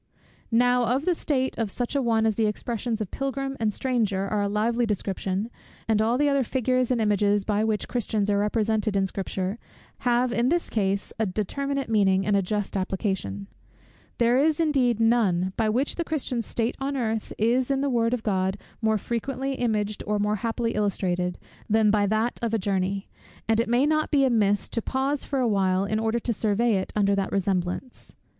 Now of the state of such an one the expressions of Pilgrim and Stranger are a lively description; and all the other figures and images, by which Christians are represented in Scripture, have in his case a determinate meaning and a just application. There is indeed none, by which the Christian's state on earth is in the word of God more frequently imaged, or more happily illustrated, than by that of a journey: and it may not be amiss to pause for a while in order to survey it under that resemblance.